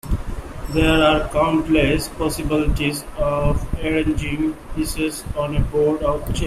There are countless possibilities of arranging pieces on a board of chess.